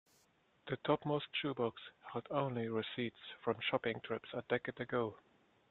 The topmost shoe box held only receipts from shopping trips a decade ago.